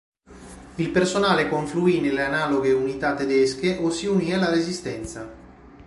Il personale confluì nelle analoghe unità tedesche o si unì alla resistenza.